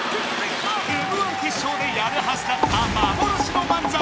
Ｍ−１決勝でやるはずだった幻の漫才